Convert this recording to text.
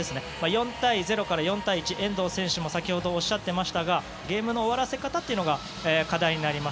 ４対０から４対１遠藤選手もおっしゃっていましたがゲームの終わらせ方が課題になります。